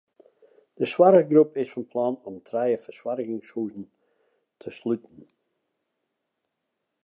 De soarchgroep is fan plan om trije fersoargingshuzen te sluten.